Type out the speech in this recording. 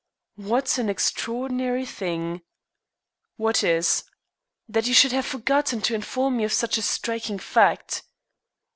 "What an extraordinary thing!" "What is?" "That you should have forgotten to inform me of such a striking fact."